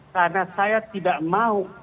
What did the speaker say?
karena saya tidak mau